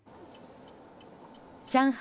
上海